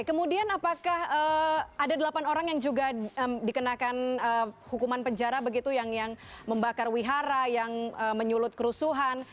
kemudian apakah ada delapan orang yang juga dikenakan hukuman penjara begitu yang membakar wihara yang menyulut kerusuhan